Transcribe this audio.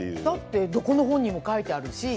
どこの本にも書いてあるし。